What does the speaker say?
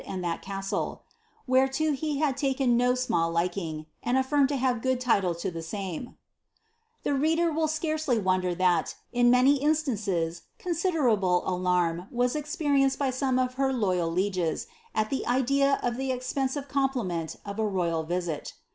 »aile, whereto he had taken no small liking, and aflirmed lu na ; ^<j<.iu lille (o the »iamc," Tlie reader will scarcely wonder ihat, in many inslaiices cdiis jdcrable alarm wo.* ex perienced by some of her loyal heges, ai the idea of the expensive com pliment of a royal visit.